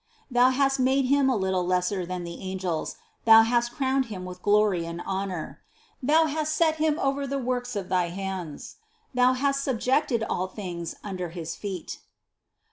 Thou hast made him a little lesser than the Angels, Thou hast crowned him with glory and honor! Thou has set him over the works of thy hands; Thou hast subjected all things under his feet."